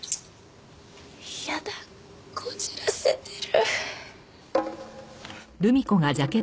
やだこじらせてる。